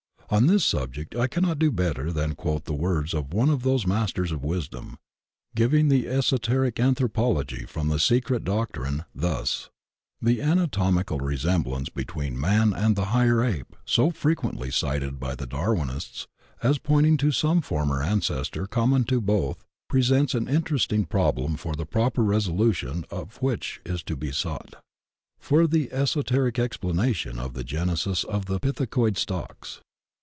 On this subject I cannot do better than quote the words of one of those Masters of Wisdom, ^ving the esoteric anthropology from the Secret Doctrine, thus: The anatomical resemblance between man and the higher Ape, so frequently cited by the Darwinists as pointing to some former ancestor common to both, presents an interesting prob lem the proper solution of which is to be sough; for in the eso teric explanation of the genesis of the pithecoid stocks.